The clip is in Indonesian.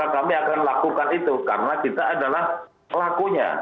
kami akan lakukan itu karena kita adalah pelakunya